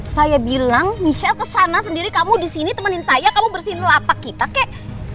saya bilang michelle kesana sendiri kamu disini temenin saya kamu bersihin lapak kita kek